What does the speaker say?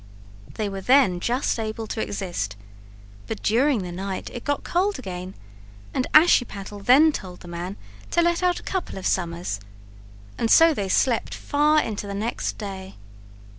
They were then just able to exist, but during the night it got cold again and Ashiepattle then told the man to let out a couple of summers, and so they slept far into the next day.